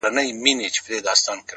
ه یاره دا زه څه اورمه- څه وینمه-